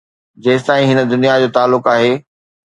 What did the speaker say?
جيستائين هن دنيا جو تعلق آهي.